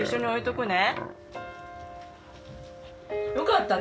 よかった。